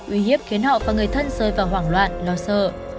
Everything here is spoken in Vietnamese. uy hiếp khiến họ và người thân rơi vào hoảng loạn lo sợ